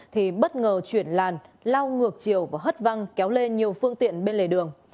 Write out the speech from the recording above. thì bất ngờ chuyển làn lao ngược chiều và hất văng kéo lê nhiều phương tiện bên lề đường